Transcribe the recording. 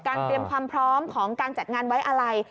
เตรียมความพร้อมของการจัดงานไว้อะไร